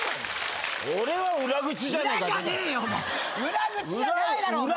裏口じゃないだろお前は。